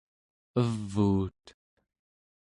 evuut